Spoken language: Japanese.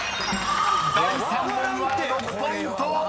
［第３問は６ポイント！］